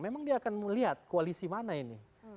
memang dia akan melihat koalisi mana ini